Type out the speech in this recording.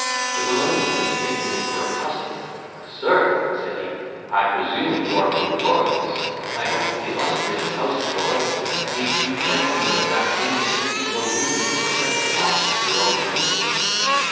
The Bolognian, mistaking him for a Tuscan, "Sir," said he, "I presume you are from Florence. I hope the illustrious house of Lorrain leaves you gentlemen of that famous city no room to regret the loss of your own princes."